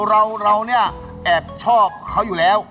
เราเนี่ยแอบชอบเขาอยู่แล้ว